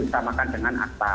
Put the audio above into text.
disamakan dengan akta